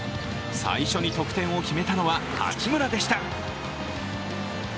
最初に得点を決めたのは八村でした。